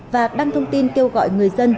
và đăng thông tin kêu gọi người dân